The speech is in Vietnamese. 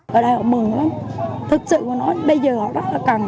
bà con mừng lắm thật sự bà nói bây giờ họ rất là cần